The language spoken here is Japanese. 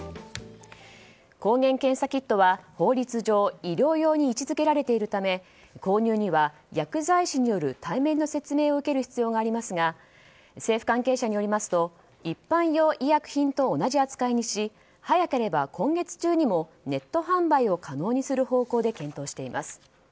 抗原検査キットは法律上医療用に位置づけられているため購入には薬剤師による対面の説明を受ける必要がありますが政府関係者によりますと一般用医薬品と同じ扱いにし早ければ今月中にもネット販売を可能にする方向で検討しています。